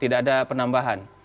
tidak ada penambahan